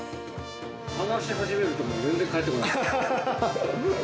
話し始めると、全然帰ってこない。